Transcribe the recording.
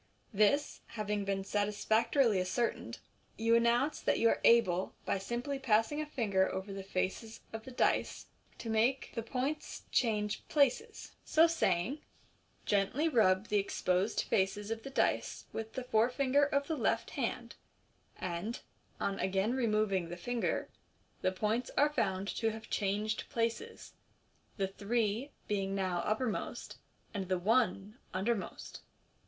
This haying been satisfactorily ascertained, you announce that you are able, by simply passing a finger over the faces of the dice, to make the points change places. So saying, gently rub the exposed faces of the dice with the fore finger of the left hand, and, on again removing the finger, the points are found to have changed places, the " three " being now uppermost, and the "one" undermost.